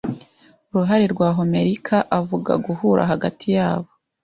uruhare rwa Homerica avuga guhura hagati yabo